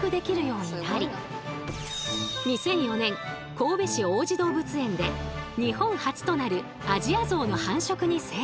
神戸市王子動物園で日本初となるアジアゾウの繁殖に成功。